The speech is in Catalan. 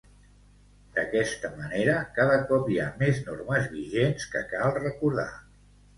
D'aquesta manera, cada cop hi ha més normes vigents que cal recordar.